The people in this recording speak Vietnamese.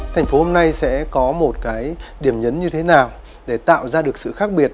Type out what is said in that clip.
thành phố hôm nay sẽ có một cái điểm nhấn như thế nào để tạo ra được sự khác biệt